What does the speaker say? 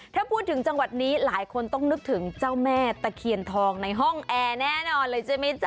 ถ้าพูดถึงจังหวัดนี้หลายคนต้องนึกถึงเจ้าแม่ตะเคียนทองในห้องแอร์แน่นอนเลยใช่ไหมจ๊